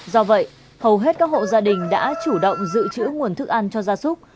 do vậy hầu hết các hộ gia đình đã chủ động giữ chữ nguồn thức ăn cho gia súc